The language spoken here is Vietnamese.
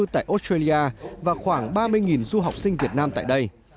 tại australia và khoảng ba mươi du học sinh việt nam tại đây